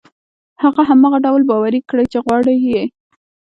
هغه هماغه ډول باوري کړئ چې غواړي يې.